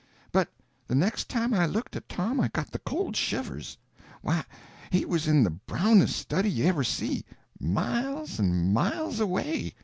But the next time I looked at Tom I got the cold shivers. Why, he was in the brownest study you ever see—miles and miles away.